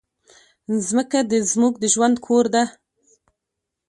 مځکه زموږ د ژوند کور ده.